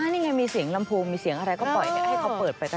นี่ไงมีเสียงลำโพงมีเสียงอะไรก็ปล่อยให้เขาเปิดไปตลอด